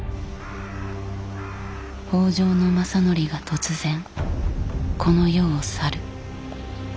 北条政範が突然この世を去る。